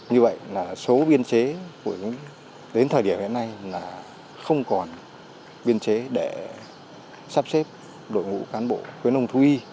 như vậy là số biên chế đến thời điểm hiện nay là không còn biên chế để sắp xếp đội ngũ cán bộ khuyến nông thú y